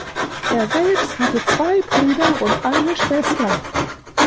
Er selbst hatte zwei Brüder und eine Schwester.